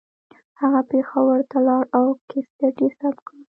هغه پېښور ته لاړ او کیسټ یې ثبت کړه